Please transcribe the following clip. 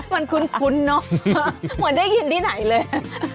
มันคุ้นเนอะเหมือนได้ยินที่ไหนเลย